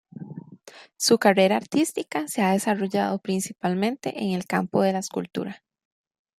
Su carrera artística se ha desarrollado principalmente en el campo de la escultura.